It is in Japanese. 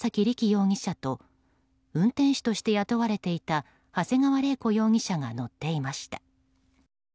容疑者と運転手として雇われていた長谷川玲子容疑者が乗っていました。